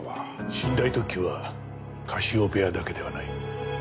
寝台特急はカシオペアだけでない。